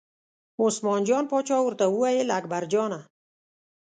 عثمان جان پاچا ورته وویل اکبرجانه!